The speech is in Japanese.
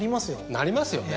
なりますよね。